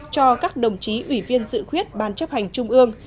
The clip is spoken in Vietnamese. cho các đồng chí ủy viên dự khuyết ban chấp hành trung ương